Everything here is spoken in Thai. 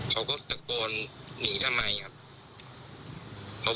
เขาก็จัดโปรนก็หนีที่ไหนครับ